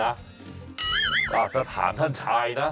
แต่บางทีนะต่อสถานท่านชายนะ